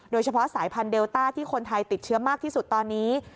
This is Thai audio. โดยเฉพาะสายพันธุเดลต้าที่คนไทยติดเชื้อมากที่สุดตอนนี้